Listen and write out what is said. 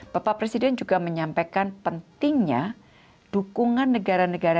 bapak presiden juga menyampaikan pentingnya dukungan negara negara